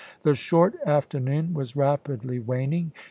The short afternoon was rapidly waning.